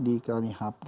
di kalani hub